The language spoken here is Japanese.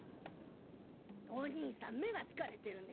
おにいさん目がつかれてるね。